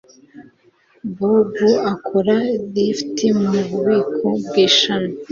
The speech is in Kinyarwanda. Bob akora lift mu bubiko bw'ishami.